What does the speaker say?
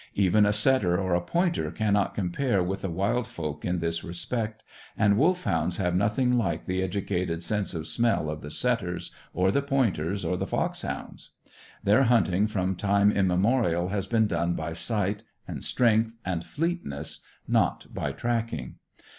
Even a setter or a pointer cannot compare with the wild folk in this respect, and Wolfhounds have nothing like the educated sense of smell of the setters, or the pointers, or the foxhounds. Their hunting from time immemorial has been done by sight, and strength, and fleetness, not by tracking.